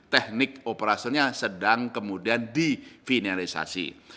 teknik operasionalisasi sedang kemudian divinalisasi